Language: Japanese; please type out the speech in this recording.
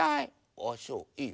ああそういいよ。